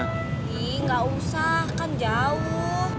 ih gak usah kan jauh